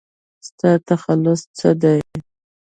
ستا تخلص څه دی ؟